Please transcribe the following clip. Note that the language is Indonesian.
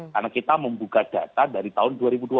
karena kita membuka data dari tahun dua ribu dua puluh